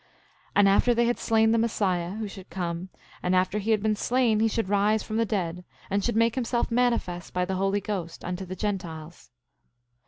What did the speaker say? And after they had slain the Messiah, who should come, and after he had been slain he should rise from the dead, and should make himself manifest, by the Holy Ghost, unto the Gentiles.